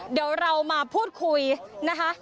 เดี๋ยวเรามาพูดคุยนะคะ